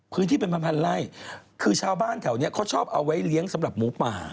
พื้นที่เป็นพันพันไร่คือชาวบ้านแถวเนี้ยเขาชอบเอาไว้เลี้ยงสำหรับหมูป่า